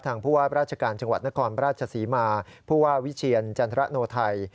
ผู้ว่าราชการจังหวัดนครราชศรีมาผู้ว่าวิเชียรจันทรโนไทย